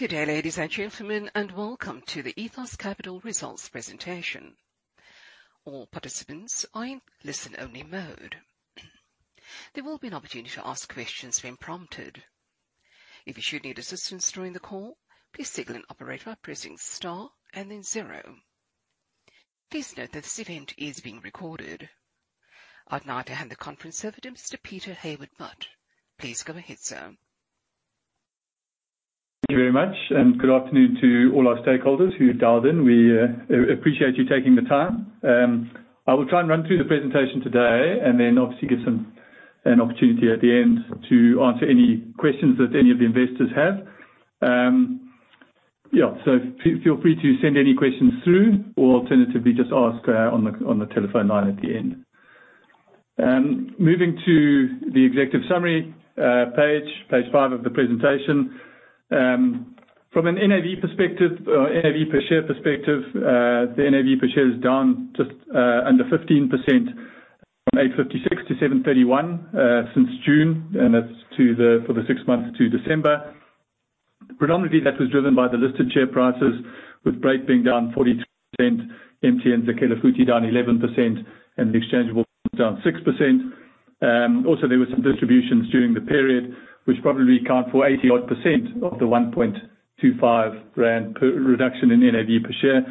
Good day, ladies and gentlemen, and welcome to the Ethos Capital results presentation. All participants are in listen-only mode. There will be an opportunity to ask questions when prompted. If you should need assistance during the call, please signal an operator by pressing star and then zero. Please note that this event is being recorded. I would now like to hand the conference over to Mr. Peter Hayward-Maytt. Please go ahead, sir. Thank you very much. Good afternoon to all our stakeholders who have dialed in. We appreciate you taking the time. I will try and run through the presentation today and then obviously give an opportunity at the end to answer any questions that any of the investors have. Feel free to send any questions through, or alternatively, just ask on the telephone line at the end. Moving to the executive summary page five of the presentation. From an NAV per share perspective, the NAV per share is down just under 15% from 8.56 to 7.31 since June, and that is for the six months to December. Predominantly, that was driven by the listed share prices, with Brait being down 42%, MTN Zakhele Futhi down 11%, and the exchangeable down 6%. There were some distributions during the period, which probably account for 80 odd percent of the 1.25 rand per reduction in NAV per share.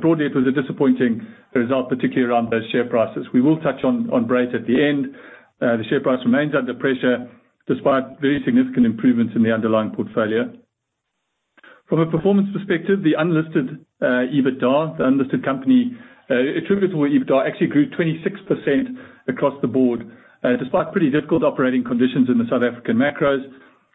Broadly, it was a disappointing result, particularly around those share prices. We will touch on Brait at the end. The share price remains under pressure despite very significant improvements in the underlying portfolio. From a performance perspective, the unlisted EBITDA, the unlisted company attributable EBITDA actually grew 26% across the board, despite pretty difficult operating conditions in the South African macros,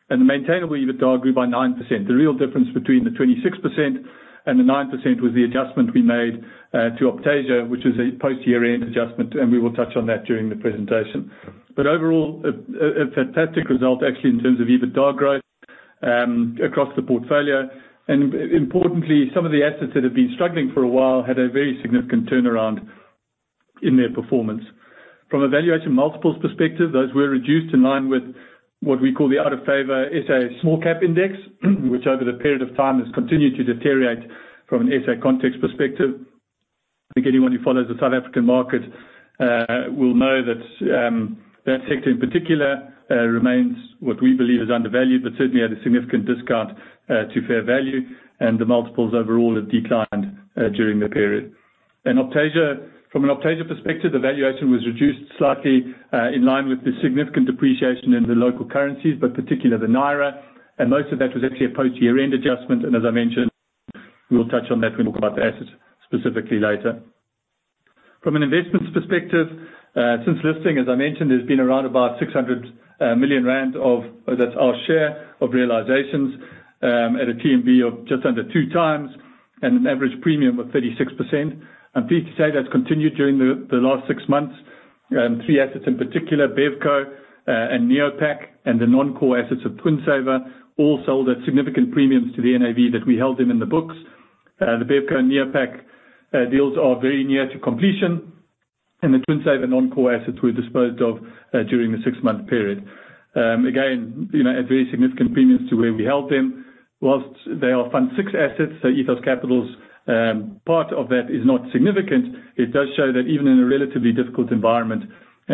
and the maintainable EBITDA grew by 9%. The real difference between the 26% and the 9% was the adjustment we made to Optasia, which was a post-year-end adjustment, and we will touch on that during the presentation. Overall, a fantastic result, actually, in terms of EBITDA growth across the portfolio. Importantly, some of the assets that have been struggling for a while had a very significant turnaround in their performance. From a valuation multiples perspective, those were reduced in line with what we call the out-of-favor SA small cap index, which over the period of time has continued to deteriorate from an SA context perspective. I think anyone who follows the South African market will know that that sector, in particular, remains what we believe is undervalued, but certainly at a significant discount to fair value, and the multiples overall have declined during the period. From an Optasia perspective, the valuation was reduced slightly in line with the significant depreciation in the local currencies, but particularly the Naira. Most of that was actually a post-year-end adjustment. As I mentioned, we will touch on that when we talk about the assets specifically later. From an investments perspective, since listing, as I mentioned, there's been around about 600 million rand of that's our share of realizations at a TVPI of just under 2 times and an average premium of 36%. I'm pleased to say that's continued during the last six months. Three assets in particular, Bevco and Neopak and the non-core assets of Twinsaver, all sold at significant premiums to the NAV that we held them in the books. The Bevco and Neopak deals are very near to completion, and the Twinsaver non-core assets were disposed of during the six-month period. Again, at very significant premiums to where we held them. Whilst they are Fund VI assets, Ethos Capital's part of that is not significant. It does show that even in a relatively difficult environment,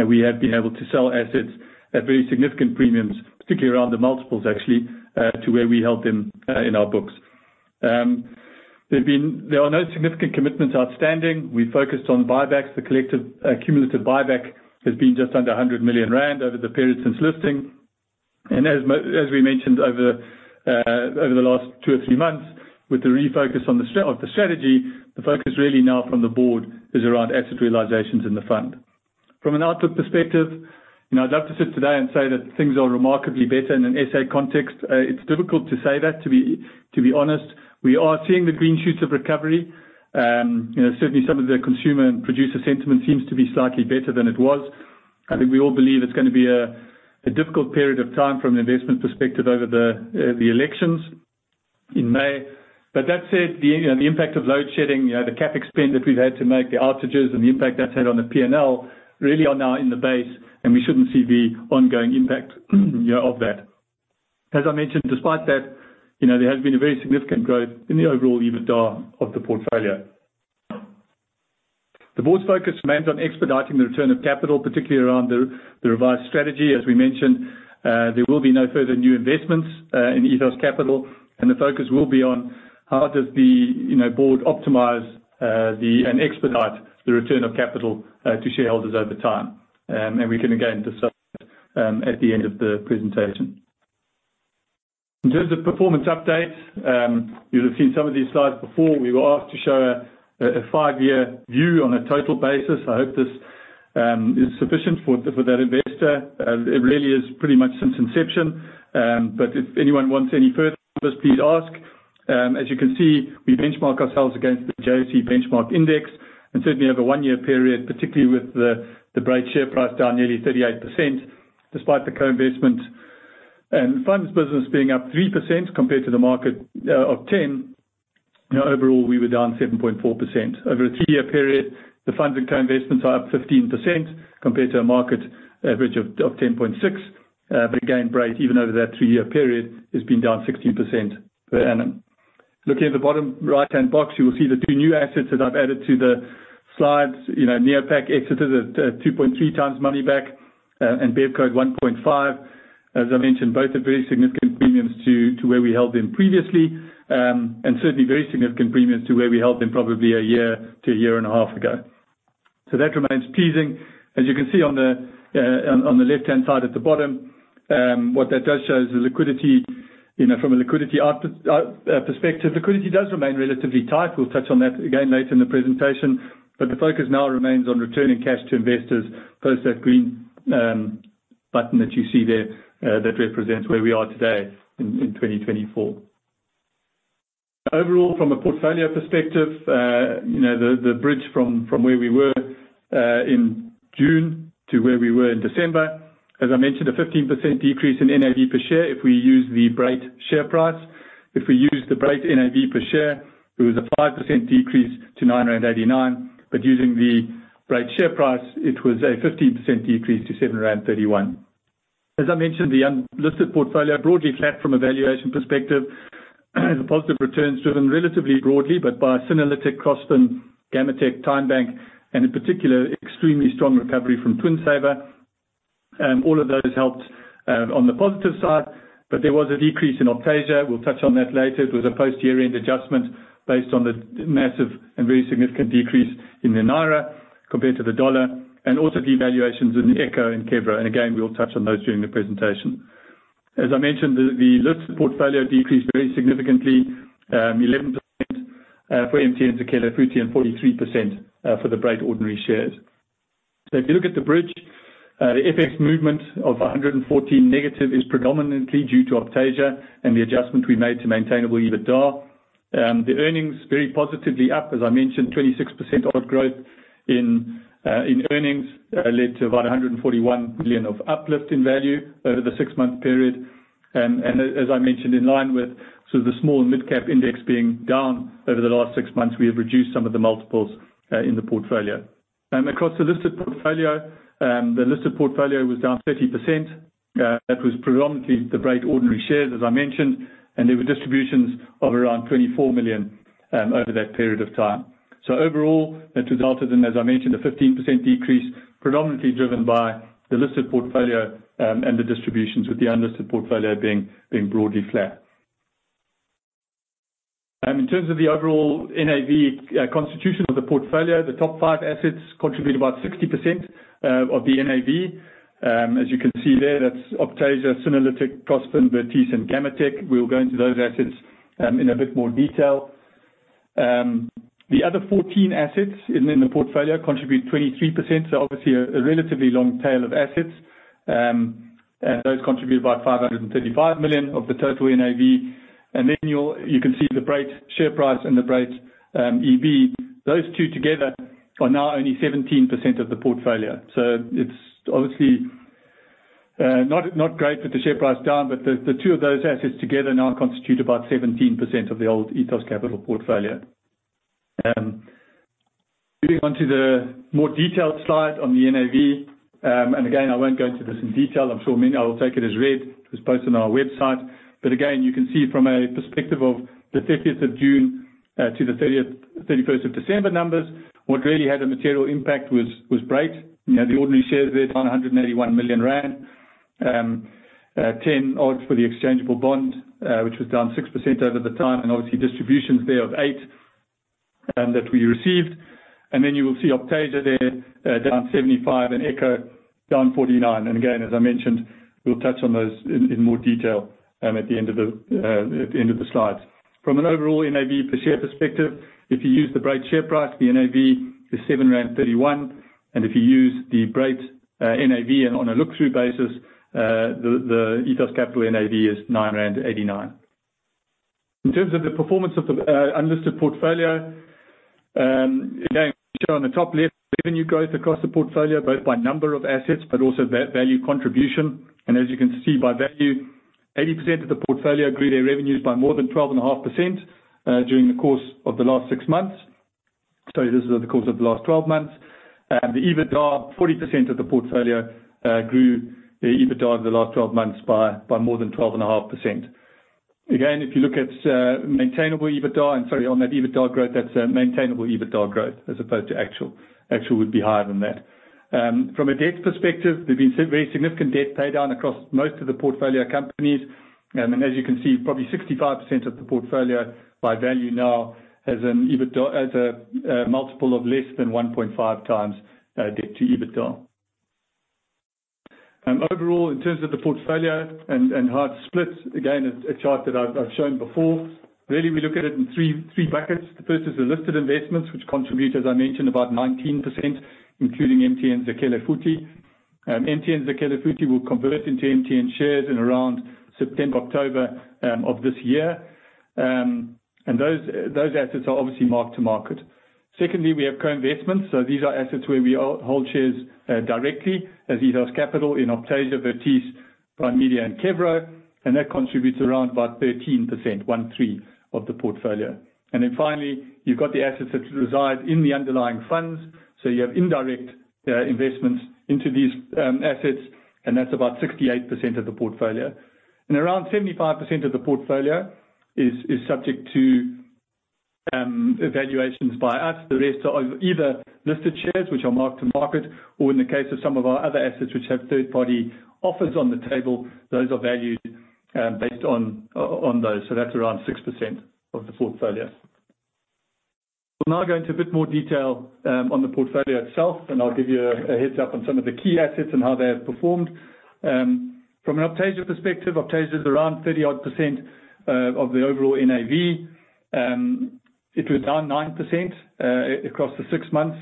we have been able to sell assets at very significant premiums, particularly around the multiples, actually, to where we held them in our books. There are no significant commitments outstanding. We focused on buybacks. The collective cumulative buyback has been just under 100 million rand over the period since listing. As we mentioned over the last 2 or 3 months with the refocus of the strategy, the focus really now from the board is around asset realizations in the fund. From an outlook perspective, I'd love to sit today and say that things are remarkably better in an SA context. It's difficult to say that, to be honest. We are seeing the green shoots of recovery. Certainly, some of the consumer and producer sentiment seems to be slightly better than it was. I think we all believe it's going to be a difficult period of time from an investment perspective over the elections in May. That said, the impact of load shedding, the CapEx spend that we've had to make, the outages, and the impact that's had on the P&L really are now in the base, and we shouldn't see the ongoing impact of that. As I mentioned, despite that, there has been a very significant growth in the overall EBITDA of the portfolio. The board's focus remains on expediting the return of capital, particularly around the revised strategy. As we mentioned, there will be no further new investments in Ethos Capital, and the focus will be on how does the board optimize and expedite the return of capital to shareholders over time. We can again discuss at the end of the presentation. In terms of performance updates, you'll have seen some of these slides before. We were asked to show a five-year view on a total basis. I hope this is sufficient for that investor. It really is pretty much since inception. If anyone wants any further, please ask. As you can see, we benchmark ourselves against the JSE benchmark index, and certainly over a one-year period, particularly with the Brait share price down nearly 38%, despite the co-investment and funds business being up 3% compared to the market of 10%. Now overall, we were down 7.4%. Over a three-year period, the funds and co-investments are up 15% compared to a market average of 10.6%. Again, Brait, even over that three-year period, has been down 16% per annum. Looking at the bottom right-hand box, you will see the two new assets that I've added to the slides. Neopak exited at 2.3x money back, Bevco 1.5x. As I mentioned, both are very significant premiums to where we held them previously, and certainly very significant premiums to where we held them probably a year to a year and a half ago. That remains pleasing. As you can see on the left-hand side at the bottom, what that does show is the liquidity. From a liquidity perspective, liquidity does remain relatively tight. We'll touch on that again later in the presentation. The focus now remains on returning cash to investors. Thus, that green button that you see there, that represents where we are today in 2024. Overall, from a portfolio perspective, the bridge from where we were in June to where we were in December, as I mentioned, a 15% decrease in NAV per share if we use the Brait share price. If we use the Brait NAV per share, it was a 5% decrease to 989. Using the Brait share price, it was a 15% decrease to 731. As I mentioned, the unlisted portfolio, broadly flat from a valuation perspective. The positive return is driven relatively broadly, but by Synerlytic, Crossfin, Gammatek, TymeBank, and in particular, extremely strong recovery from Twinsaver. All of those helped on the positive side. There was a decrease in Optasia. We'll touch on that later. It was a post-year-end adjustment based on the massive and very significant decrease in the naira compared to the USD, and also devaluations in the Echo and Kevro. Again, we'll touch on those during the presentation. As I mentioned, the listed portfolio decreased very significantly, 11% for MTN Zakhele Futhi and 43% for the Brait ordinary shares. If you look at the bridge, the FX movement of 114 million negative is predominantly due to Optasia and the adjustment we made to maintainable EBITDA. The earnings, very positively up, as I mentioned, 26% odd growth in earnings led to about 141 million of uplift in value over the six-month period. As I mentioned, in line with the small and mid-cap index being down over the last six months, we have reduced some of the multiples in the portfolio. Across the listed portfolio, the listed portfolio was down 30%. That was predominantly the Brait ordinary shares, as I mentioned, and there were distributions of around 24 million over that period of time. Overall, that resulted in, as I mentioned, a 15% decrease, predominantly driven by the listed portfolio, and the distributions, with the unlisted portfolio being broadly flat. In terms of the overall NAV constitution of the portfolio, the top five assets contribute about 60% of the NAV. As you can see there, that's Optasia, Synerlytic, Prospen, Vertice, and Gammatek. We'll go into those assets in a bit more detail. The other 14 assets in the portfolio contribute 23%, obviously a relatively long tail of assets. Those contribute about 535 million of the total NAV. Then you can see the Brait share price and the Brait EV. Those two together are now only 17% of the portfolio. It's obviously not great with the share price down, but the two of those assets together now constitute about 17% of the old Ethos Capital portfolio. Moving on to the more detailed slide on the NAV. Again, I won't go into this in detail. I'm sure many will take it as read. It was posted on our website. You can see from a perspective of the 30th of June to the 31st of December numbers, what really had a material impact was Brait. The ordinary shares there, down 181 million rand. 10 odds for the exchangeable bond, which was down 6% over the time, obviously distributions there of 8 that we received. You will see Optasia there, down 75, and Echo down 49. As I mentioned, we'll touch on those in more detail at the end of the slides. From an overall NAV per share perspective, if you use the Brait share price, the NAV is 731. If you use the Brait NAV and on a look-through basis, the Ethos Capital NAV is 989. In terms of the performance of the unlisted portfolio. Shown on the top left, revenue growth across the portfolio, both by number of assets, but also value contribution. As you can see by value, 80% of the portfolio grew their revenues by more than 12.5% during the course of the last six months. Sorry, this is over the course of the last 12 months. The EBITDA, 40% of the portfolio grew their EBITDA over the last 12 months by more than 12.5%. If you look at maintainable EBITDA, and sorry, on that EBITDA growth, that's maintainable EBITDA growth as opposed to actual. Actual would be higher than that. From a debt perspective, there's been very significant debt pay down across most of the portfolio companies. As you can see, probably 65% of the portfolio by value now has a multiple of less than 1.5x debt to EBITDA. In terms of the portfolio and hard splits, a chart that I've shown before. We look at it in 3 brackets. The first is the listed investments, which contribute, as I mentioned, about 19%, including MTN Zakhele Futhi. MTN Zakhele Futhi will convert into MTN shares in around September, October of this year. Those assets are obviously marked to market. Secondly, we have co-investments. These are assets where we hold shares directly, Excelsia Capital in Optasia, Vertice, Primedia and Kevro. That contributes around about 13%, 13, of the portfolio. Finally, you've got the assets that reside in the underlying funds. You have indirect investments into these assets, and that's about 68% of the portfolio. Around 75% of the portfolio is subject to evaluations by us. The rest are either listed shares, which are marked to market, or in the case of some of our other assets which have third-party offers on the table, those are valued based on those. That's around 6% of the portfolio. We'll now go into a bit more detail on the portfolio itself, and I'll give you a heads up on some of the key assets and how they have performed. From an Optasia perspective, Optasia is around 30-odd percent of the overall NAV. It was down 9% across the six months,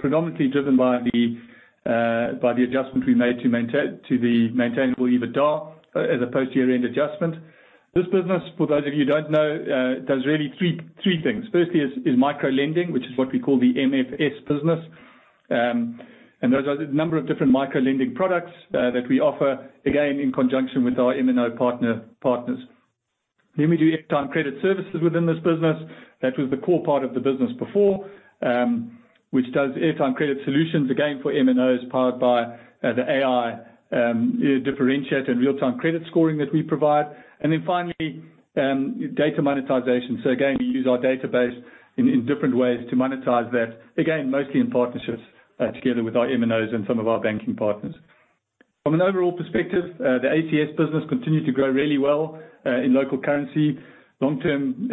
predominantly driven by the adjustment we made to the maintainable EBITDA as a post-year-end adjustment. This business, for those of you who don't know, does three things. Firstly is micro lending, which is what we call the MFS business. Those are the number of different micro lending products that we offer, again, in conjunction with our MNO partners. We do airtime credit services within this business. That was the core part of the business before, which does airtime credit solutions, again, for MNOs, powered by the AI differentiator and real-time credit scoring that we provide. Finally, data monetization. Again, we use our database in different ways to monetize that. Again, mostly in partnerships together with our MNOs and some of our banking partners. From an overall perspective, the ATS business continued to grow really well in local currency. LTM,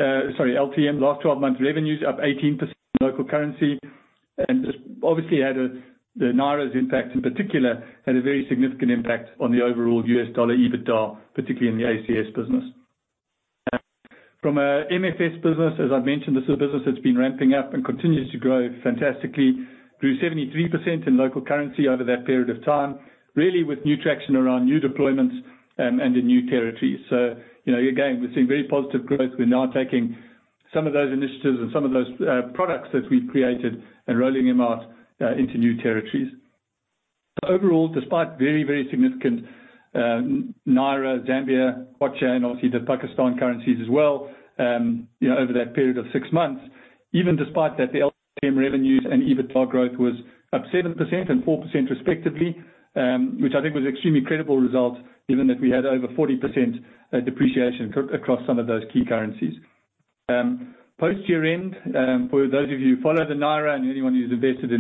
last 12 months revenues up 18% in local currency. This obviously had the naira impact in particular, had a very significant impact on the overall $ EBITDA, particularly in the ATS business. From a MFS business, as I mentioned, this is a business that's been ramping up and continues to grow fantastically through 73% in local currency over that period of time, really with new traction around new deployments and in new territories. Again, we're seeing very positive growth. We are now taking some of those initiatives and some of those products that we have created and rolling them out into new territories. Overall, despite very, very significant naira, Zambia, kwacha, and obviously the Pakistan currencies as well over that period of six months. Even despite that, the LTM revenues and EBITDA growth was up 7% and 4% respectively, which I think was extremely credible result given that we had over 40% depreciation across some of those key currencies. Post year-end, for those of you who follow the naira and anyone who has invested in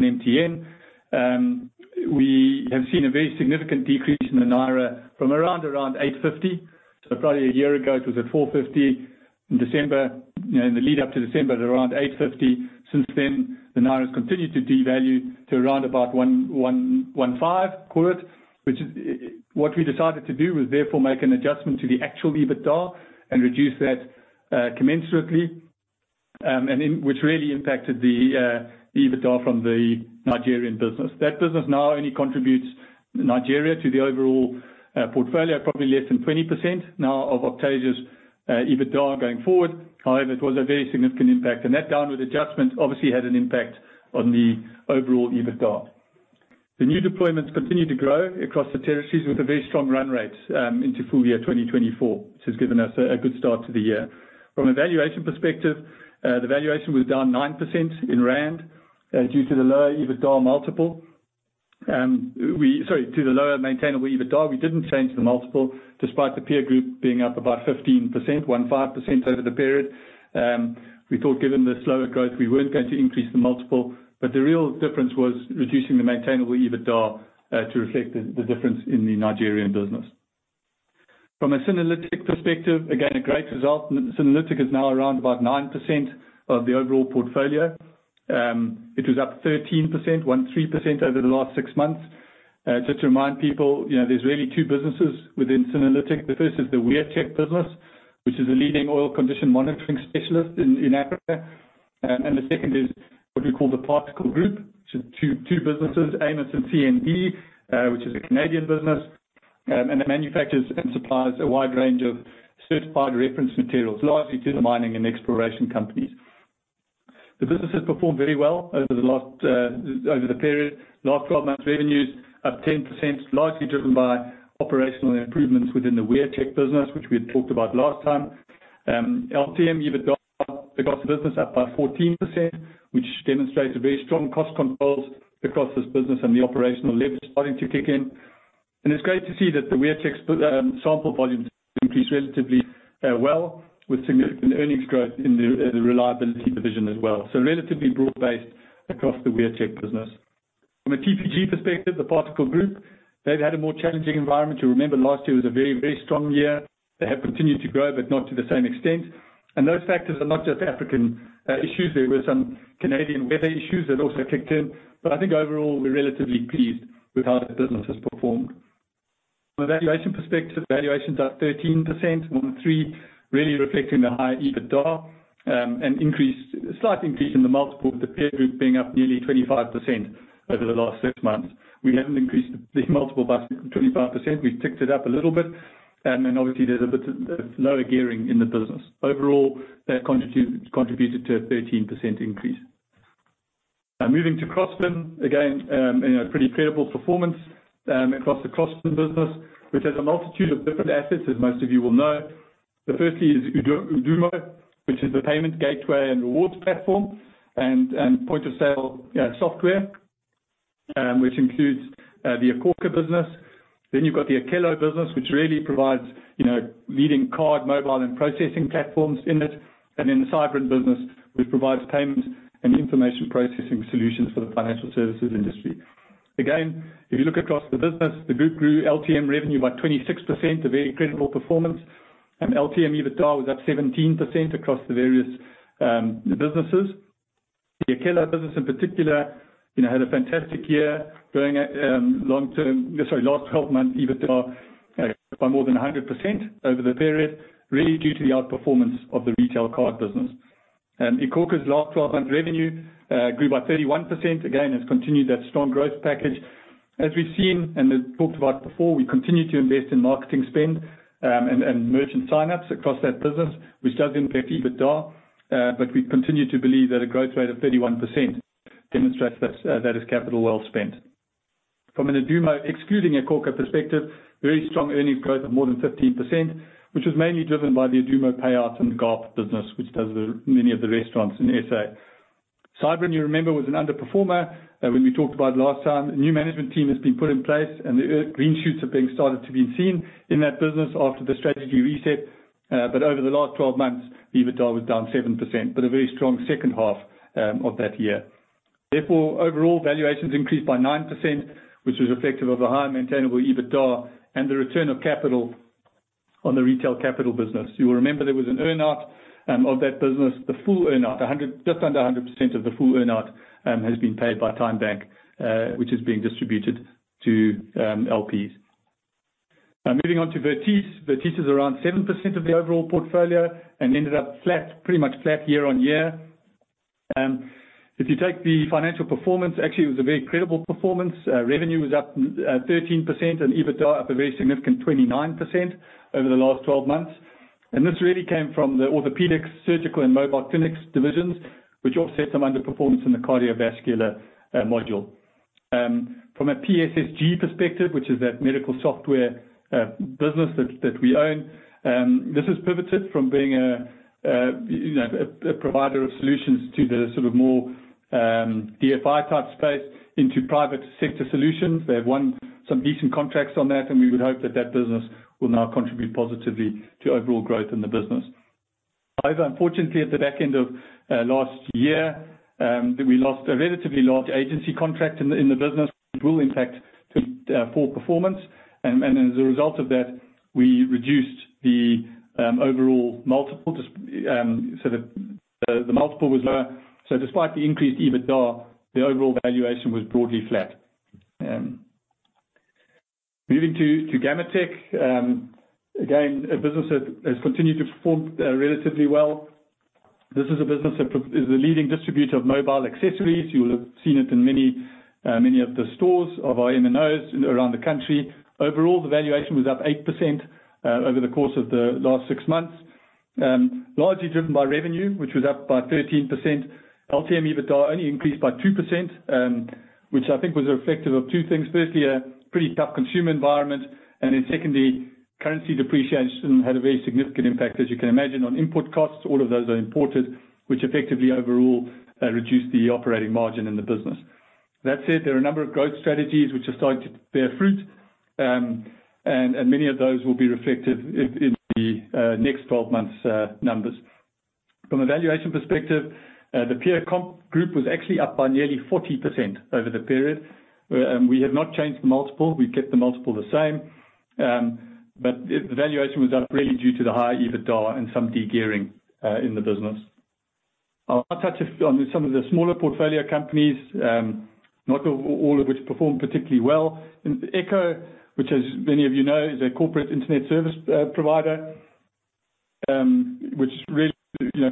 MTN, we have seen a very significant decrease in the naira from around 850. Probably a year ago, it was at 450 in December. In the lead up to December at around 850. Since then, the naira has continued to devalue to around about 105. What we decided to do was therefore make an adjustment to the actual EBITDA and reduce that commensurately, and which really impacted the EBITDA from the Nigerian business. That business now only contributes Nigeria to the overall portfolio. Probably less than 20% now of Optasia's EBITDA going forward. However, it was a very significant impact, and that downward adjustment obviously had an impact on the overall EBITDA. The new deployments continued to grow across the territories with a very strong run rate into full year 2024, which has given us a good start to the year. From a valuation perspective, the valuation was down 9% in ZAR due to the lower EBITDA multiple. Sorry, due to the lower maintainable EBITDA. We did not change the multiple despite the peer group being up about 15% over the period. We thought given the slower growth, we were not going to increase the multiple. The real difference was reducing the maintainable EBITDA to reflect the difference in the Nigerian business. From a Synerlytic perspective, again, a great result. Synerlytic is now around about 9% of the overall portfolio. It was up 13% over the last six months. Just to remind people, there is really two businesses within Synerlytic. The first is the WearCheck business, which is a leading oil condition monitoring specialist in Africa. The second is what we call The Particle Group. So two businesses, AMIS and C&D, which is a Canadian business, and it manufactures and supplies a wide range of certified reference materials, largely to the mining and exploration companies. The business has performed very well over the period. Last 12 months revenues up 10%, largely driven by operational improvements within the WearCheck business, which we had talked about last time. LTM EBITDA across the business up by 14%, which demonstrates a very strong cost controls across this business and the operational leverage starting to kick in. It is great to see that the WearCheck's sample volumes increased relatively well with significant earnings growth in the reliability division as well. So relatively broad-based across the WearCheck business. From a TPG perspective, The Particle Group, they have had a more challenging environment. You remember last year was a very, very strong year. They have continued to grow, but not to the same extent. Those factors are not just African issues. There were some Canadian weather issues that also kicked in. I think overall, we are relatively pleased with how the business has performed. From a valuation perspective, valuations up 13%, one three, really reflecting the high EBITDA, and slight increase in the multiple with the peer group being up nearly 25% over the last six months. We have not increased the multiple by 25%. We have ticked it up a little bit. Then obviously there is a bit lower gearing in the business. Overall, that contributed to a 13% increase. Moving to Crossfin. Again, a pretty credible performance across the Crossfin business, which has a multitude of different assets, as most of you will know. Firstly is Adumo, which is the payment gateway and rewards platform and point of sale software, which includes the iKhokha business. Then you have got the Ukheshe business, which really provides leading card, mobile, and processing platforms in it. Then the Sybrin business, which provides payments and information processing solutions for the financial services industry. Again, if you look across the business, the group grew LTM revenue by 26%, a very credible performance. LTM EBITDA was up 17% across the various businesses. The Ukheshe business in particular had a fantastic year growing last 12 months EBITDA by more than 100% over the period, really due to the outperformance of the retail card business. iKhokha's last 12 months revenue grew by 31%, again, has continued that strong growth package. As we have seen and talked about before, we continue to invest in marketing spend and merchant sign-ups across that business, which does impact EBITDA. We continue to believe that a growth rate of 31% demonstrates that is capital well spent. From an Adumo, excluding iKhokha perspective, very strong earnings growth of more than 15%, which was mainly driven by the Adumo payouts and the golf business, which does many of the restaurants in SA. Sybrin, you remember, was an underperformer when we talked about it last time. A new management team has been put in place, and green shoots are being started to be seen in that business after the strategy reset. But over the last 12 months, EBITDA was down 7%, but a very strong second half of that year. Overall valuations increased by 9%, which was reflective of the higher maintainable EBITDA and the return of capital on the retail capital business. You will remember there was an earn-out of that business. The full earn-out, just under 100% of the full earn-out, has been paid by TymeBank, which is being distributed to LPs. Moving on to Vertice. Vertice is around 7% of the overall portfolio and ended up flat, pretty much flat year-on-year. If you take the financial performance, actually, it was a very credible performance. Revenue was up 13% and EBITDA up a very significant 29% over the last 12 months. This really came from the orthopedics, surgical, and mobile clinics divisions, which offset some underperformance in the cardiovascular module. From a PSSG perspective, which is that medical software business that we own, this has pivoted from being a provider of solutions to the more DFI type space into private sector solutions. They have won some decent contracts on that, and we would hope that that business will now contribute positively to overall growth in the business. Unfortunately, at the back end of last year, we lost a relatively large agency contract in the business, which will impact full performance. As a result of that, we reduced the overall multiple. The multiple was lower. Despite the increased EBITDA, the overall valuation was broadly flat. Moving to Gammatek. Again, a business that has continued to perform relatively well. This is a business that is a leading distributor of mobile accessories. You will have seen it in many of the stores of our MNOs around the country. The valuation was up 8% over the course of the last six months. Largely driven by revenue, which was up by 13%. LTM EBITDA only increased by 2%, which I think was reflective of two things. A pretty tough consumer environment. Secondly, currency depreciation had a very significant impact, as you can imagine, on input costs. All of those are imported, which effectively overall reduced the operating margin in the business. That said, there are a number of growth strategies which are starting to bear fruit, and many of those will be reflected in the next 12 months' numbers. From a valuation perspective, the peer comp group was actually up by nearly 40% over the period. We have not changed the multiple. We've kept the multiple the same. The valuation was up really due to the high EBITDA and some de-gearing in the business. I'll touch on some of the smaller portfolio companies, not all of which performed particularly well. Echo, which, as many of you know, is a corporate internet service provider, which really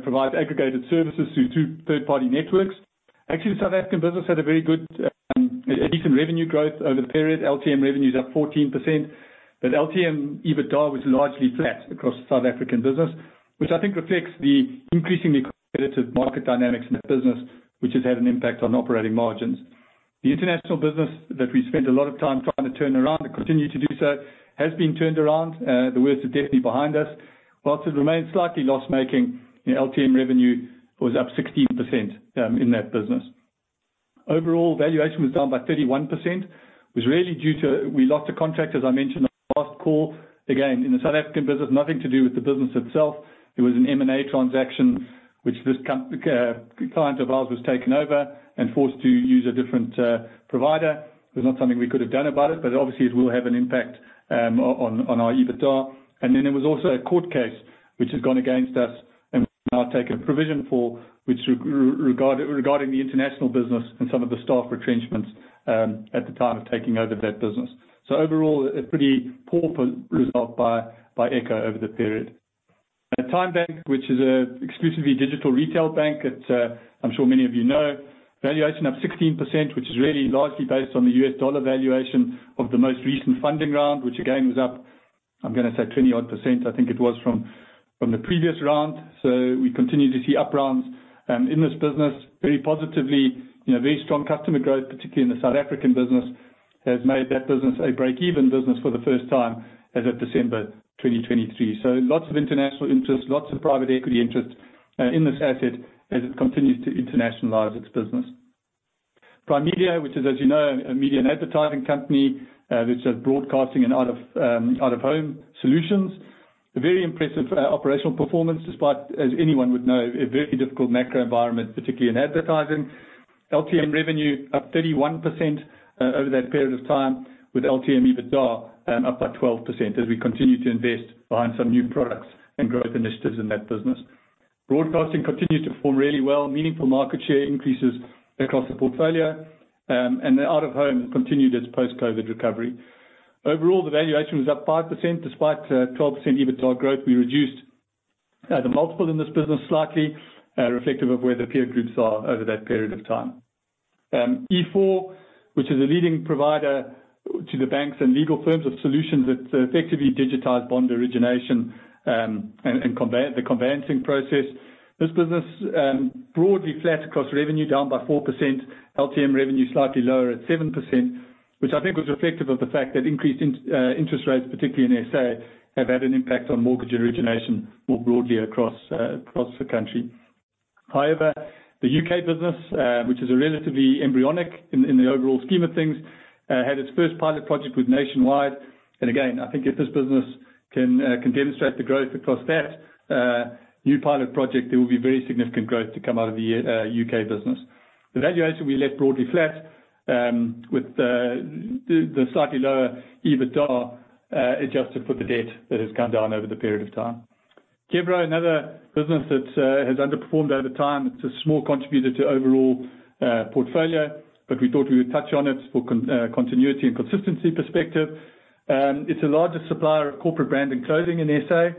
provides aggregated services through third-party networks. Actually, the South African business had a very good, decent revenue growth over the period. LTM revenue is up 14%, but LTM EBITDA was largely flat across the South African business, which I think reflects the increasingly competitive market dynamics in the business, which has had an impact on operating margins. The international business that we spent a lot of time trying to turn around and continue to do so, has been turned around. The worst is definitely behind us. Whilst it remains slightly loss-making, the LTM revenue was up 16% in that business. Overall, valuation was down by 31%, was really due to we lost a contract, as I mentioned on the last call. Again, in the South African business, nothing to do with the business itself. It was an M&A transaction which this client of ours was taken over and forced to use a different provider. It was not something we could have done about it, but obviously, it will have an impact on our EBITDA. Then there was also a court case which has gone against us and we've now taken a provision for, which regarding the international business and some of the staff retrenchments at the time of taking over that business. Overall, a pretty poor result by Echo over the period. TymeBank, which is an exclusively digital retail bank, I'm sure many of you know. Valuation up 16%, which is really largely based on the US dollar valuation of the most recent funding round, which again, was up I'm going to say 20-odd%, I think it was from the previous round. We continue to see up rounds in this business very positively. Very strong customer growth, particularly in the South African business, has made that business a break-even business for the first time as of December 2023. Lots of international interest, lots of private equity interest in this asset as it continues to internationalize its business. Primedia, which is as you know, a media and advertising company, which does broadcasting and out-of-home solutions. A very impressive operational performance despite, as anyone would know, a very difficult macro environment, particularly in advertising. LTM revenue up 31% over that period of time with LTM EBITDA up by 12% as we continue to invest behind some new products and growth initiatives in that business. Broadcasting continued to perform really well. Meaningful market share increases across the portfolio, and the out-of-home continued its post-COVID recovery. Overall, the valuation was up 5% despite 12% EBITDA growth. We reduced the multiple in this business slightly reflective of where the peer groups are over that period of time. e4, which is a leading provider to the banks and legal firms of solutions that effectively digitize bond origination and the conveyancing process. This business broadly flat across revenue, down by 4%. LTM revenue slightly lower at 7% which I think was reflective of the fact that increased interest rates, particularly in SA, have had an impact on mortgage origination more broadly across the country. However, the U.K. business, which is relatively embryonic in the overall scheme of things, had its first pilot project with Nationwide. Again, I think if this business can demonstrate the growth across that new pilot project, there will be very significant growth to come out of the U.K. business. The valuation we left broadly flat with the slightly lower EBITDA adjusted for the debt that has gone down over the period of time. Kevro, another business that has underperformed over time. It's a small contributor to overall portfolio, but we thought we would touch on it for continuity and consistency perspective. It's the largest supplier of corporate branding clothing in SA.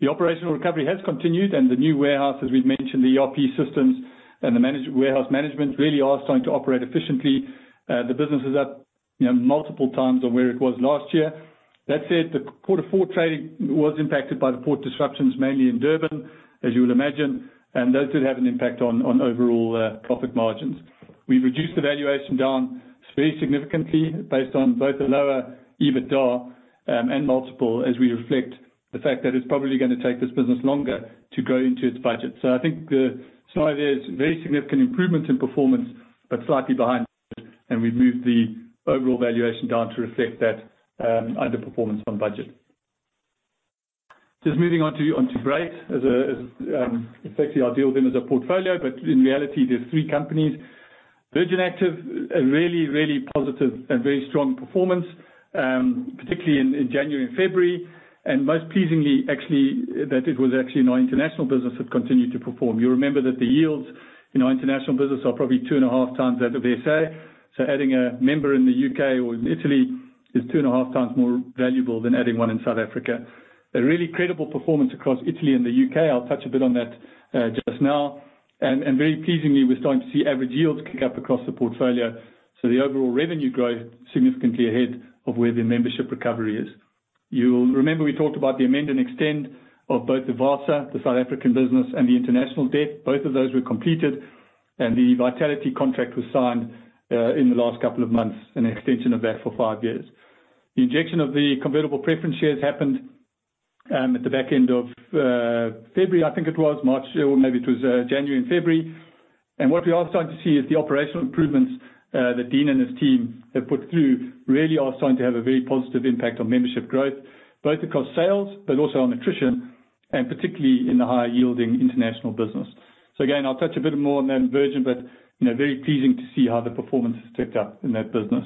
The operational recovery has continued and the new warehouse, as we've mentioned, the ERP systems and the warehouse management really are starting to operate efficiently. The business is up multiple times on where it was last year. That said, the quarter four trading was impacted by the port disruptions, mainly in Durban, as you would imagine, and those did have an impact on overall profit margins. We reduced the valuation down very significantly based on both the lower EBITDA, and multiple as we reflect the fact that it's probably going to take this business longer to go into its budget. I think the summary is very significant improvements in performance, but slightly behind. We've moved the overall valuation down to reflect that underperformance on budget. Just moving on to Brait. Effectively, I deal with them as a portfolio, but in reality, there's three companies. Virgin Active, a really positive and very strong performance, particularly in January and February, and most pleasingly, that it was actually our international business that continued to perform. You remember that the yields in our international business are probably two and a half times that of S.A. Adding a member in the U.K. or in Italy is two and a half times more valuable than adding one in South Africa. A really credible performance across Italy and the U.K. I'll touch a bit on that just now. Very pleasingly, we're starting to see average yields kick up across the portfolio. The overall revenue growth significantly ahead of where the membership recovery is. You'll remember we talked about the amend and extend of both the VASA, the South African business, and the international debt. Both of those were completed, and the Vitality contract was signed in the last couple of months, an extension of that for five years. The injection of the convertible preference shares happened at the back end of February, I think it was March, or maybe it was January and February. What we are starting to see is the operational improvements that Dean and his team have put through really are starting to have a very positive impact on membership growth, both across sales but also on attrition, and particularly in the higher-yielding international business. Again, I'll touch a bit more on that Virgin, but very pleasing to see how the performance has ticked up in that business.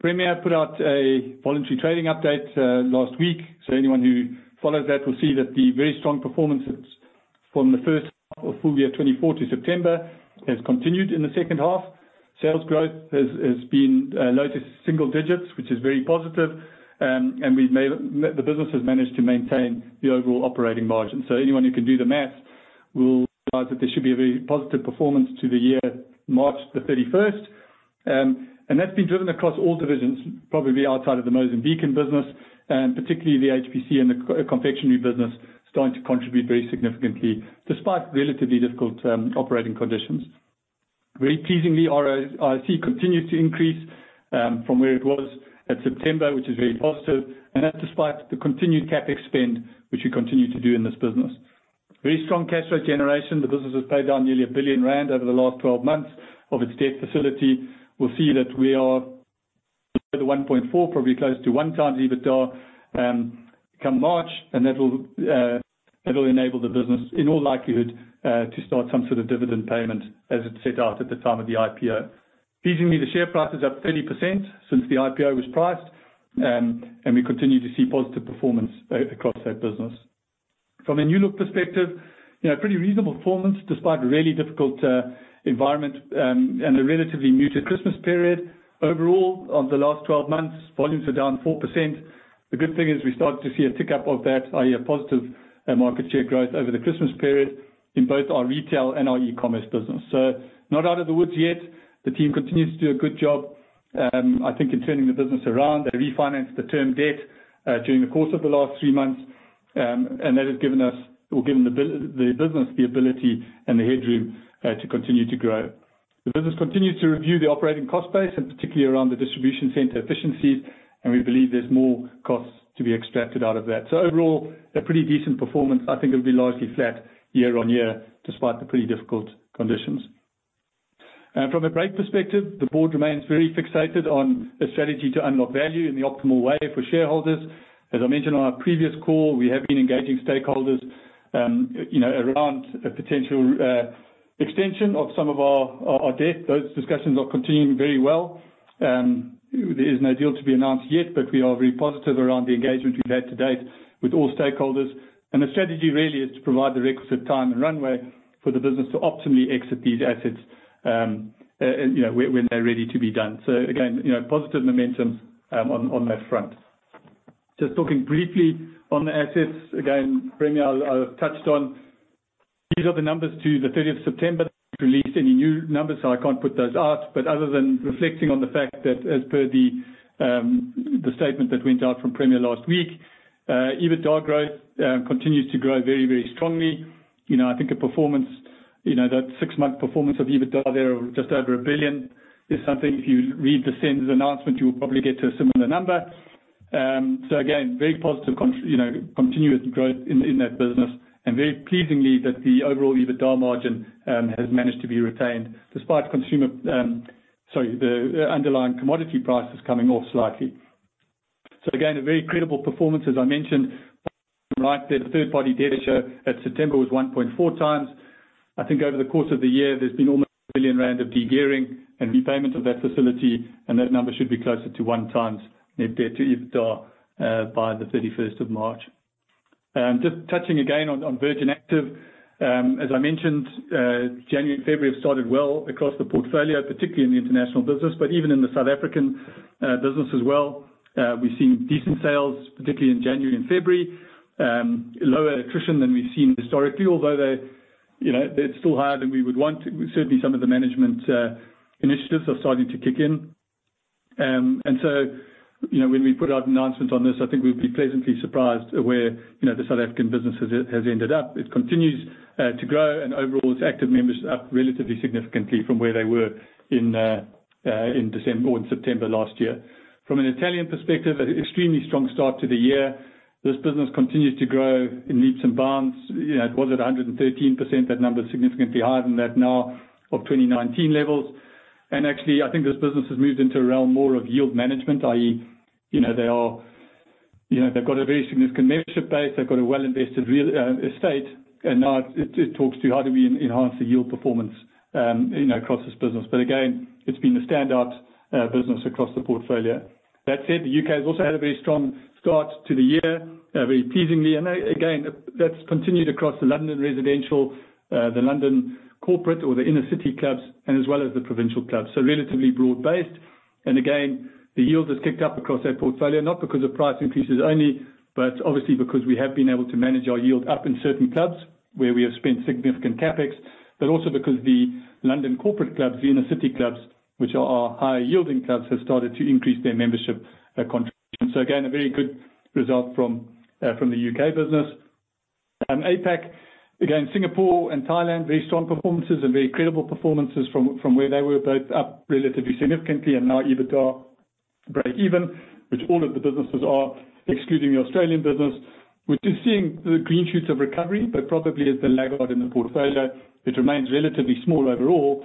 Premier put out a voluntary trading update last week. Anyone who follows that will see that the very strong performance from the first half of full year 2024 September has continued in the second half. Sales growth has been low to single digits, which is very positive. The business has managed to maintain the overall operating margin. Anyone who can do the math will realize that there should be a very positive performance to the year, March 31st. That's been driven across all divisions, probably outside of the Moses Mbeki business, particularly the HPC and the confectionery business starting to contribute very significantly despite relatively difficult operating conditions. Very pleasingly, ROC continued to increase from where it was at September, which is very positive, and that despite the continued CapEx spend which we continue to do in this business. Very strong cash flow generation. The business has paid down nearly 1 billion rand over the last 12 months of its debt facility. We'll see that we are below the 1.4, probably close to one times EBITDA come March, and that'll enable the business in all likelihood, to start some sort of dividend payment as it set out at the time of the IPO. Pleasingly, the share price is up 30% since the IPO was priced, We continue to see positive performance across that business. From a New Look perspective, pretty reasonable performance despite a really difficult environment, A relatively muted Christmas period. Overall, on the last 12 months, volumes are down 4%. The good thing is we started to see a tick-up of that, i.e., a positive market share growth over the Christmas period in both our retail and our e-commerce business. Not out of the woods yet. The team continues to do a good job, I think in turning the business around. They refinanced the term debt during the course of the last three months. That has given the business the ability and the headroom to continue to grow. The business continues to review the operating cost base, particularly around the distribution center efficiencies, We believe there's more costs to be extracted out of that. Overall, a pretty decent performance. I think it'll be largely flat year-on-year, despite the pretty difficult conditions. From a rate perspective, the board remains very fixated on a strategy to unlock value in the optimal way for shareholders. As I mentioned on our previous call, we have been engaging stakeholders around a potential extension of some of our debt. Those discussions are continuing very well. There is no deal to be announced yet, We are very positive around the engagement we've had to date with all stakeholders. The strategy really is to provide the requisite time and runway for the business to optimally exit these assets when they're ready to be done. Again, positive momentum on that front. Just talking briefly on the assets. Again, Premier, I've touched on, these are the numbers to the 30th September. They released any new numbers, so I can't put those out. Other than reflecting on the fact that as per the statement that went out from Premier last week, EBITDA growth continues to grow very, very strongly. I think that six-month performance of EBITDA there of just over a billion is something, if you read the SENS announcement, you will probably get to a similar number. Again, very positive continuous growth in that business, Very pleasingly that the overall EBITDA margin has managed to be retained despite consumer Sorry, the underlying commodity prices coming off slightly. Again, a very credible performance, as I mentioned, the third-party data show that September was 1.4 times. I think over the course of the year, there's been almost 1 billion rand of de-gearing Repayment of that facility, and that number should be closer to one times net debt to EBITDA by the 31st of March. Just touching again on Virgin Active. As I mentioned, January and February have started well across the portfolio, particularly in the international business, Even in the South African business as well. We've seen decent sales, particularly in January and February. Lower attrition than we've seen historically, although they're still higher than we would want. Certainly, some of the management initiatives are starting to kick in. When we put out an announcement on this, I think we'd be pleasantly surprised where the South African business has ended up. It continues to grow, and overall, its active members are up relatively significantly from where they were in September last year. From an Italian perspective, extremely strong start to the year. This business continues to grow in leaps and bounds. It was at 113%, that number is significantly higher than that now of 2019 levels. I think this business has moved into a realm more of yield management, i.e., they've got a very significant membership base, they've got a well-invested real estate, and now it talks to how do we enhance the yield performance across this business. It's been a standout business across the portfolio. That said, the U.K. has also had a very strong start to the year, very pleasingly. That's continued across the London residential, the London corporate or the inner city clubs, as well as the provincial clubs. Relatively broad-based. The yield has ticked up across that portfolio, not because of price increases only, but obviously because we have been able to manage our yield up in certain clubs where we have spent significant CapEx. Because the London corporate clubs, the inner city clubs, which are our higher yielding clubs, have started to increase their membership contribution. A very good result from the U.K. business. APAC, again, Singapore and Thailand, very strong performances and very credible performances from where they were, both up relatively significantly and now EBITDA breakeven, which all of the businesses are excluding the Australian business. We're just seeing the green shoots of recovery, but probably as the laggard in the portfolio. It remains relatively small overall,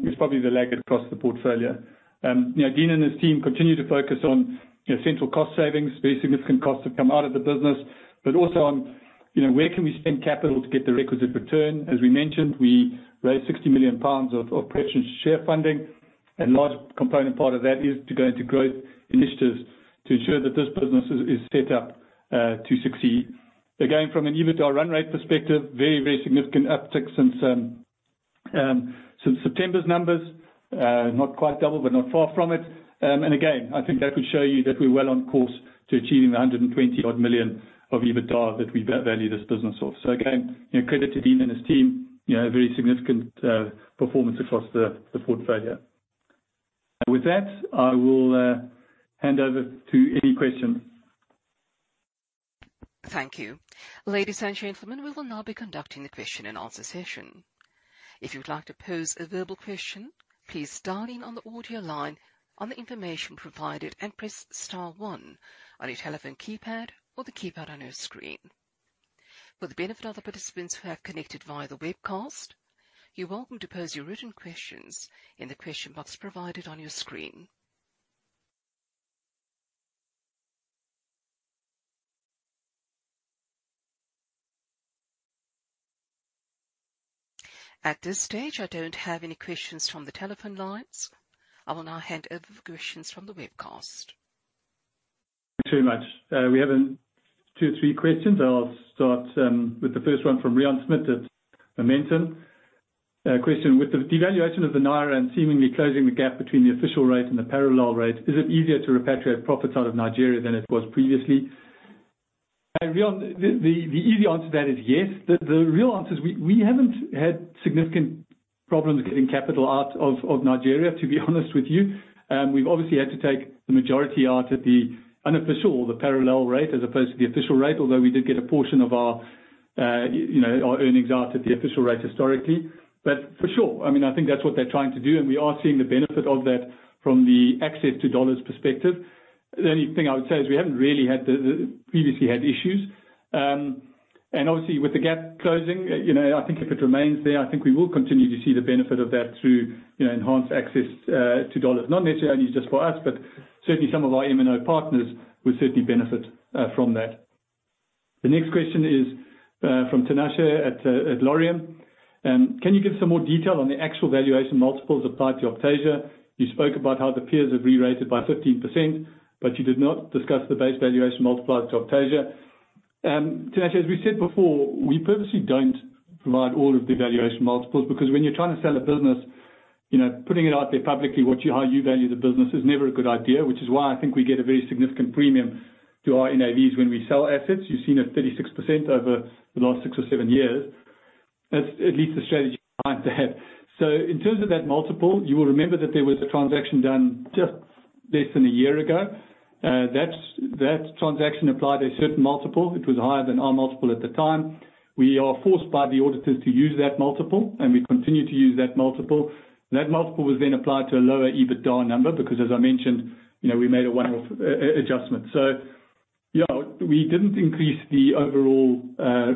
but it's probably the laggard across the portfolio. Dean and his team continue to focus on central cost savings, very significant costs have come out of the business, but also on where can we spend capital to get the requisite return. As we mentioned, we raised 60 million pounds of preference share funding, and a large component part of that is to go into growth initiatives to ensure that this business is set up to succeed. From an EBITDA run rate perspective, very, very significant uptick since September's numbers. Not quite double, but not far from it. I think that would show you that we're well on course to achieving the 120 million of EBITDA that we value this business of. Credit to Dean and his team, a very significant performance across the portfolio. With that, I will hand over to any questions. Thank you. Ladies and gentlemen, we will now be conducting the question and answer session. If you would like to pose a verbal question, please dial in on the audio line on the information provided and press star one on your telephone keypad or the keypad on your screen. For the benefit of the participants who have connected via the webcast, you're welcome to pose your written questions in the question box provided on your screen. At this stage, I don't have any questions from the telephone lines. I will now hand over for questions from the webcast. Thank you very much. We have two, three questions. I'll start with the first one from Riaan Smit at Momentum. Question, with the devaluation of the naira and seemingly closing the gap between the official rate and the parallel rate, is it easier to repatriate profits out of Nigeria than it was previously? Riaan, the easy answer to that is yes. The real answer is we haven't had significant problems getting capital out of Nigeria, to be honest with you. We've obviously had to take the majority out at the unofficial or the parallel rate as opposed to the official rate, although we did get a portion of our earnings out at the official rate historically. For sure, I think that's what they're trying to do, and we are seeing the benefit of that from the access to $ perspective. The only thing I would say is we haven't really previously had issues. Obviously, with the gap closing, I think if it remains there, I think we will continue to see the benefit of that through enhanced access to $. Not necessarily just for us, but certainly some of our MNO partners would certainly benefit from that. The next question is from Tinashe at Laurium. Can you give some more detail on the actual valuation multiples applied to Optasia? You spoke about how the peers have rerated by 15%, you did not discuss the base valuation multiplied to Optasia. Tinashe, as we said before, we purposely don't provide all of the valuation multiples because when you're trying to sell a business, putting it out there publicly how you value the business is never a good idea, which is why I think we get a very significant premium to our NAVs when we sell assets. You've seen a 36% over the last six or seven years. That's at least the strategy we plan to have. In terms of that multiple, you will remember that there was a transaction done just less than a year ago. That transaction applied a certain multiple. It was higher than our multiple at the time. We are forced by the auditors to use that multiple, we continue to use that multiple. That multiple was then applied to a lower EBITDA number because, as I mentioned, we made a one-off adjustment. We didn't increase the overall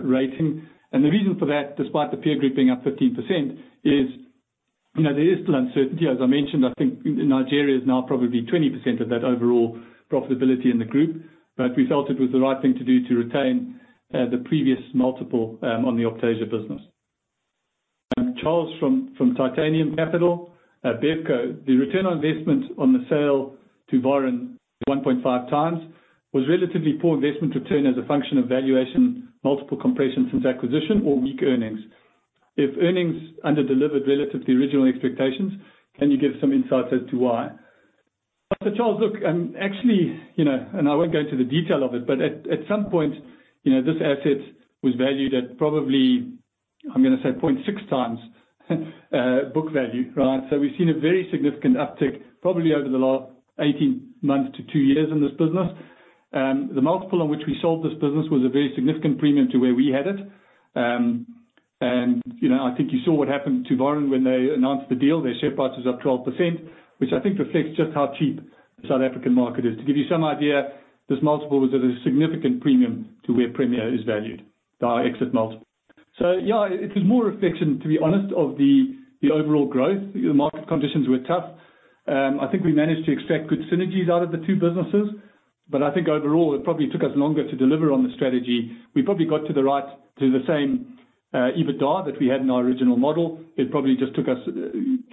rating. And the reason for that, despite the peer group being up 15%, is there is still uncertainty. As I mentioned, I think Nigeria is now probably 20% of that overall profitability in the group. But we felt it was the right thing to do to retain the previous multiple on the Optasia business. Charles from Titanium Capital. BevCo, the return on investment on the sale to Varen, 1.5 times was relatively poor investment return as a function of valuation multiple compression since acquisition or weak earnings. If earnings underdelivered relative to the original expectations, can you give some insights as to why? Charles, look, actually, and I won't go into the detail of it, but at some point, this asset was valued at probably, I'm going to say, 0.6 times book value, right? We've seen a very significant uptick, probably over the last 18 months to 2 years in this business. The multiple on which we sold this business was a very significant premium to where we had it. And I think you saw what happened to Varen when they announced the deal. Their share price was up 12%, which I think reflects just how cheap the South African market is. To give you some idea, this multiple was at a significant premium to where Premier is valued, our exit multiple. So yeah, it was more a reflection, to be honest, of the overall growth. The market conditions were tough. I think we managed to extract good synergies out of the 2 businesses. But I think overall, it probably took us longer to deliver on the strategy. We probably got to the same EBITDA that we had in our original model. It probably just took us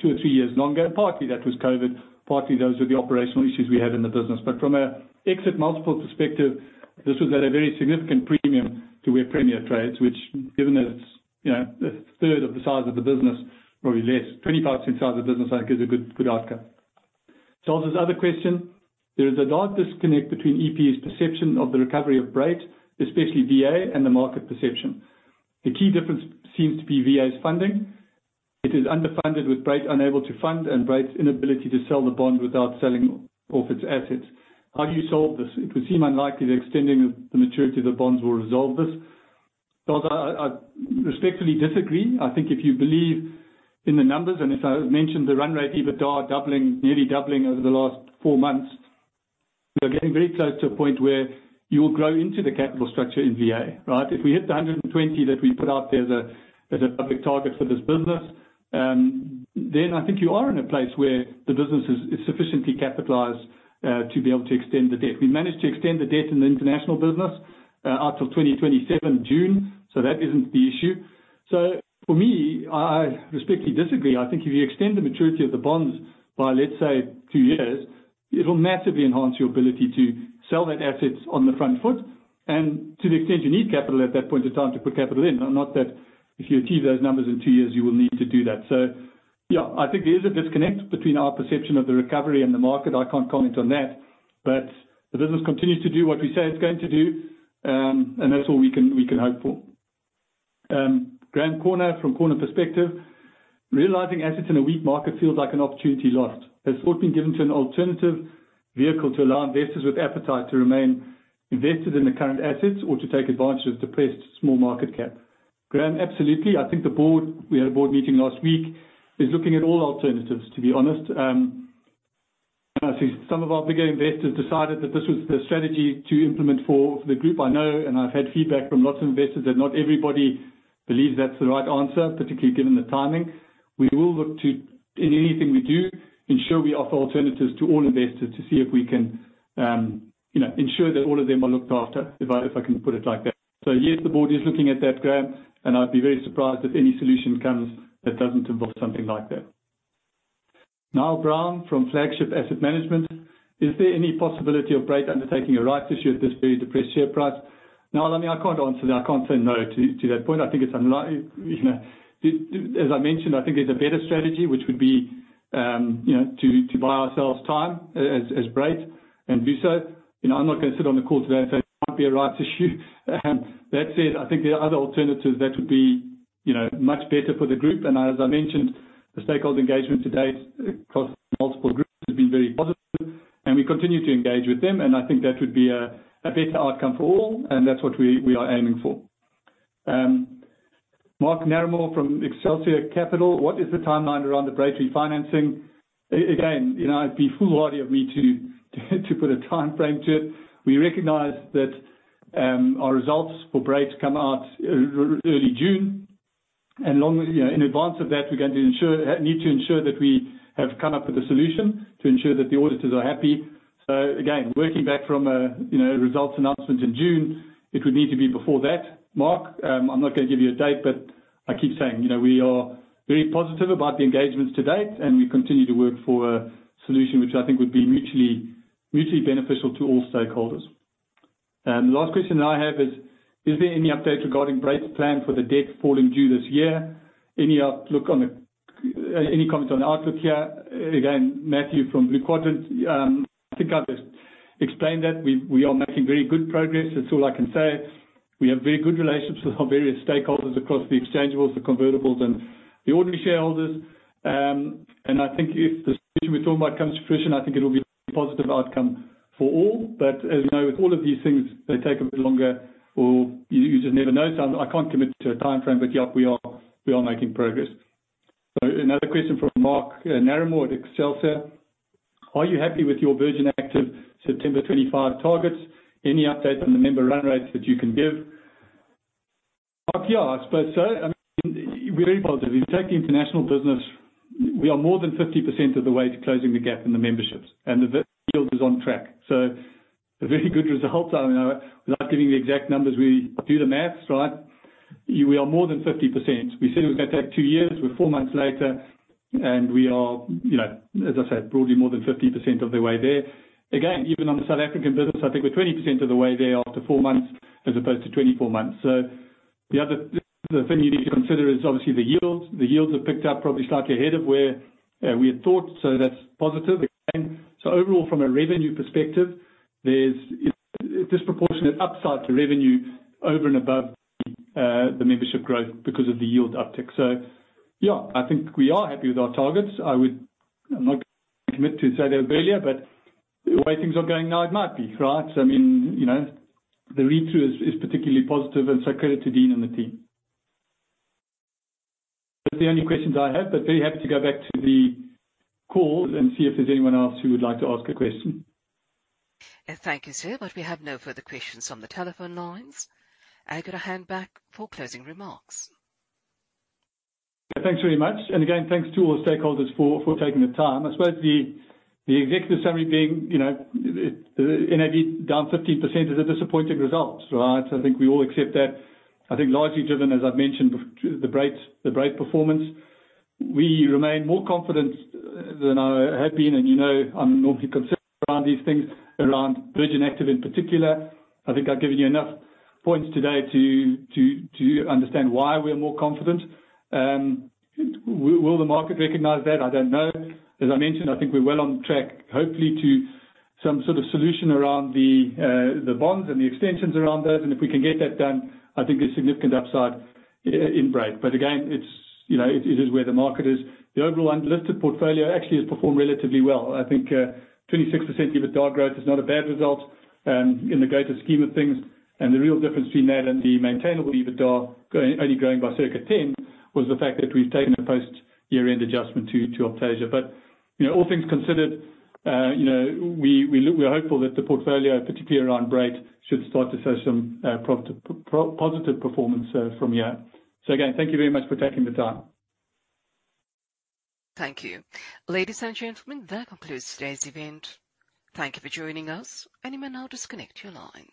2 or 3 years longer. Partly that was COVID, partly those were the operational issues we had in the business. But from an exit multiple perspective, this was at a very significant premium to where Premier trades, which given that it's a third of the size of the business, probably less, 25% size of business, I think is a good outcome. Charles, there's another question. There is a large disconnect between EPE's perception of the recovery of Brait, especially VA, and the market perception. The key difference seems to be VA's funding. It is underfunded, with Brait unable to fund and Brait's inability to sell the bond without selling off its assets. How do you solve this? It would seem unlikely the extending of the maturity of the bonds will resolve this. Charles, I respectfully disagree. I think if you believe in the numbers, and as I mentioned, the run rate EBITDA nearly doubling over the last 4 months, we are getting very close to a point where you will grow into the capital structure in VA, right? If we hit the 120 that we put out there as a public target for this business, then I think you are in a place where the business is sufficiently capitalized to be able to extend the debt. We managed to extend the debt in the international business out till 2027 June. So that isn't the issue. For me, I respectfully disagree. I think if you extend the maturity of the bonds by, let's say, 2 years, it'll massively enhance your ability to sell that assets on the front foot and to the extent you need capital at that point in time to put capital in. Not that if you achieve those numbers in two years, you will need to do that. I think there is a disconnect between our perception of the recovery and the market. I can't comment on that. The business continues to do what we say it's going to do, and that's all we can hope for. Graeme Korner from Korner Perspective. Realizing assets in a weak market feels like an opportunity lost. Has thought been given to an alternative vehicle to allow investors with appetite to remain invested in the current assets or to take advantage of depressed small market cap? Graeme, absolutely. I think the board, we had a board meeting last week, is looking at all alternatives, to be honest. I think some of our bigger investors decided that this was the strategy to implement for the group. I know, and I've had feedback from lots of investors, that not everybody believes that's the right answer, particularly given the timing. We will look to, in anything we do, ensure we offer alternatives to all investors to see if we can ensure that all of them are looked after, if I can put it like that. Yes, the board is looking at that, Graeme, and I'd be very surprised if any solution comes that doesn't involve something like that. Niall Brown from Flagship Asset Management. Is there any possibility of Brait undertaking a rights issue at this very depressed share price? Niall, I can't answer that. I can't say no to that point. I think it's unlikely. As I mentioned, I think there's a better strategy, which would be-To buy ourselves time as Brait and Bisar. I'm not going to sit on the call today and say it might be a rights issue. That said, I think there are other alternatives that would be much better for the group. As I mentioned, the stakeholder engagement today across multiple groups has been very positive, and we continue to engage with them. I think that would be a better outcome for all, and that's what we are aiming for. Mark Naremore from Excelsior Capital. What is the timeline around the Brait refinancing? Again, it'd be foolhardy of me to put a timeframe to it. We recognize that our results for Brait come out early June, and in advance of that, we need to ensure that we have come up with a solution to ensure that the auditors are happy. Again, working back from a results announcement in June, it would need to be before that. Mark, I'm not going to give you a date, but I keep saying, we are very positive about the engagements to date, and we continue to work for a solution, which I think would be mutually beneficial to all stakeholders. The last question I have is: Is there any update regarding Brait's plan for the debt falling due this year? Any comment on the outlook here? Again, Matthew from Blue Quadrant, I think I've explained that we are making very good progress. That's all I can say. We have very good relationships with our various stakeholders across the exchangeables, the convertibles, and the ordinary shareholders. I think if the solution we're talking about comes to fruition, I think it will be a positive outcome for all. As you know, with all of these things, they take a bit longer or you just never know. I can't commit to a timeframe, but yeah, we are making progress. Another question from Mark Naremore at Excelsior Capital. Are you happy with your Virgin Active September 2025 targets? Any update on the member run rates that you can give? Mark, yeah, I suppose so. I mean, we're very positive. If you take the international business, we are more than 50% of the way to closing the gap in the memberships, and the yield is on track. A very good result. Without giving the exact numbers, we do the maths, right? We are more than 50%. We said it was going to take 2 years. We're 4 months later, and we are, as I said, broadly more than 50% of the way there. Again, even on the South African business, I think we're 20% of the way there after 4 months as opposed to 24 months. The other thing you need to consider is obviously the yields. The yields have picked up probably slightly ahead of where we had thought. That's positive again. Overall, from a revenue perspective, there's a disproportionate upside to revenue over and above the membership growth because of the yield uptick. Yeah, I think we are happy with our targets. I'm not going to commit to say they're earlier, but the way things are going now, it might be, right? I mean, the read-through is particularly positive, and so credit to Dean and the team. That's the only questions I have, but very happy to go back to the call and see if there's anyone else who would like to ask a question. Thank you, sir. We have no further questions from the telephone lines. I'm gonna hand back for closing remarks. Thanks very much. Again, thanks to all stakeholders for taking the time. I suppose the executive summary being NAV down 15% is a disappointing result, right? I think we all accept that. I think largely driven, as I've mentioned, the Brait performance. We remain more confident than I have been, and you know I'm normally concerned around these things, around Virgin Active in particular. I think I've given you enough points today to understand why we're more confident. Will the market recognize that? I don't know. As I mentioned, I think we're well on track, hopefully, to some sort of solution around the bonds and the extensions around those. If we can get that done, I think there's significant upside in Brait. Again, it is where the market is. The overall unlisted portfolio actually has performed relatively well. I think 26% EBITDA growth is not a bad result in the greater scheme of things. The real difference between that and the maintainable EBITDA only growing by circa 10 was the fact that we've taken a post-year-end adjustment to Optasia. All things considered, we are hopeful that the portfolio, particularly around Brait, should start to show some positive performance from here. Again, thank you very much for taking the time. Thank you. Ladies and gentlemen, that concludes today's event. Thank you for joining us, and you may now disconnect your lines.